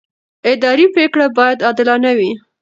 اداري پرېکړه باید عادلانه وي.